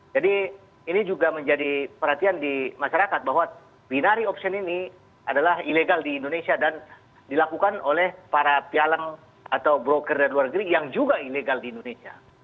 jadi ini juga menjadi perhatian di masyarakat bahwa binari option ini adalah ilegal di indonesia dan dilakukan oleh para pialang atau broker dari luar negeri yang juga ilegal di indonesia